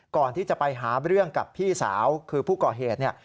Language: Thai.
ก่อนที่จะไปหาเรื่องกับพี่สาวคือผู้ก่อเหตุเนี่ย